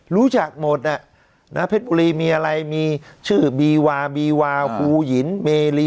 รู้จักหมดน่ะนะเพชรบุรีมีอะไรมีชื่อบีวาบีวาฮูหินเมรี